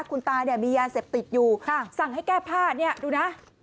คุณตาเนี่ยมียาเสพติดอยู่สั่งให้แก้ผ้าเนี่ยดูนะ